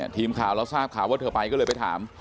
ทีมข่าวเราทราบข่าวว่าเธอไปก็เลยไปถาม